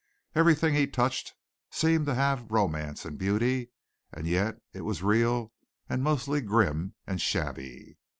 Everything he touched seemed to have romance and beauty, and yet it was real and mostly grim and shabby.